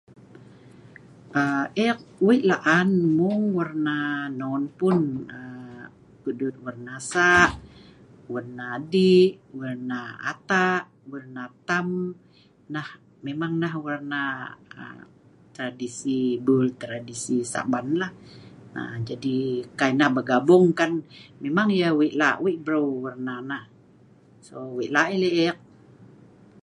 Ek wei laan mung adang non pun.adang saa, adang dii, adang ata',adang tam.nah adang tradisi lun saban. Kai nah pelamut wei ayo tah lak yah..wei lak yah lek ek